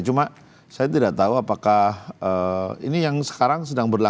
cuma saya tidak tahu apakah ini yang sekarang sedang berlaku